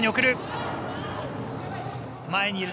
前に送る。